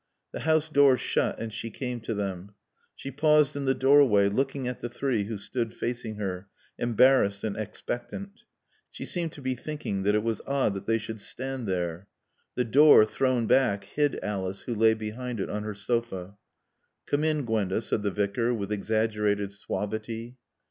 The house door shut and she came to them. She paused in the doorway, looking at the three who stood facing her, embarrassed and expectant. She seemed to be thinking that it was odd that they should stand there. The door, thrown back, hid Alice, who lay behind it on her sofa. "Come in, Gwenda," said the Vicar with exaggerated suavity.